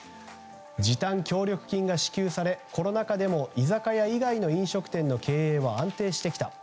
時短協力金が支給されコロナ禍でも居酒屋以外の飲食店の経営は安定してきた。